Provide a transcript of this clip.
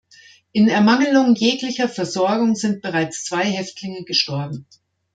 In Ermangelung jeglicher Versorgung sind bereits zwei Häftlinge gestorben.